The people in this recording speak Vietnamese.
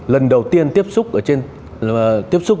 lần đầu tiên tiếp xúc